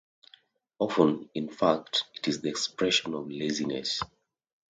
Often, in fact, it is the expression of laziness.